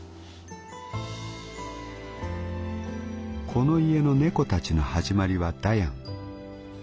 「この家の猫たちの始まりはダヤン。